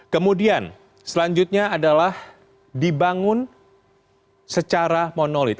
kemudian selanjutnya adalah dibangun secara monolit